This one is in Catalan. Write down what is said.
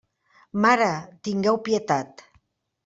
Mare, tingueu pietat.